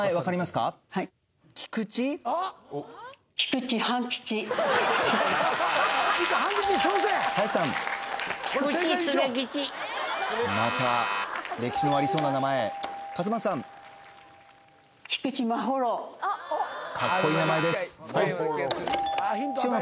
かっこいい名前です塩野